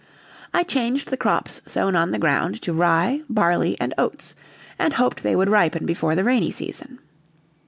I changed the crops sown on the ground to rye, barley, and oats, and hoped they would ripen before the rainy season.